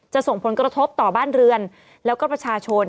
ส่งผลกระทบต่อบ้านเรือนแล้วก็ประชาชน